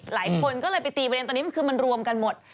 หลายคนก็เลยตีมูลบัญเลนต์ตอนนี้คือมันรวมกันหมด